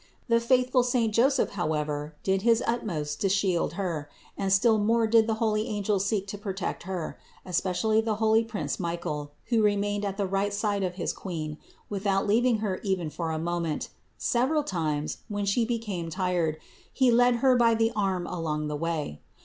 The faithful saint Joseph, however, did his utmost to shield Her; and still more did the holy angels seek to protect Her, especially the holy prince Michael, who remained at the right side of his Queen without leaving Her even for a moment ; several times, when She became tired, He led Her by the arm along the way.